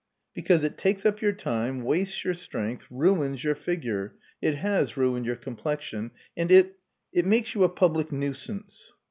"Because it takes up your time, wastes your strength, ruins your figure it has ruined your complexion and it it makes you a public nuisance."